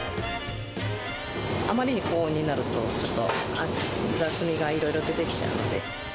あまりに高温になると、ちょっと雑味がいろいろ出てきちゃうので。